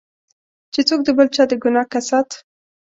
چې څوک د بل چا د ګناه کسات.